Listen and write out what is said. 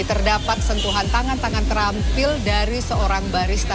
terdapat sentuhan tangan tangan terampil dari seorang barista